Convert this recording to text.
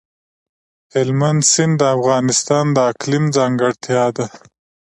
هلمند سیند د افغانستان د اقلیم ځانګړتیا ده.